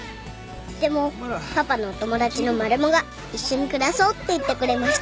［でもパパのお友達のマルモが一緒に暮らそうって言ってくれました］